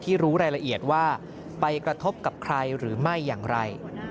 รู้รายละเอียดว่าไปกระทบกับใครหรือไม่อย่างไร